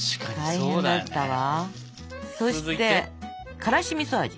そしてからしみそ味。